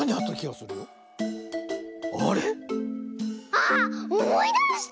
あっおもいだした！